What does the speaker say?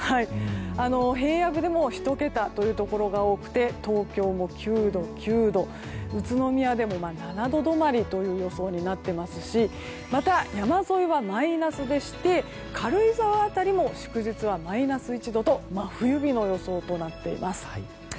平野部でも１桁のところが多くて東京も９度、９度宇都宮でも７度止まりという予想になっていますしまた、山沿いはマイナスでして軽井沢辺りも祝日はマイナス１度と真冬日の予想となっています。